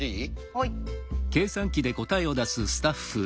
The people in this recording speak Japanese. はい。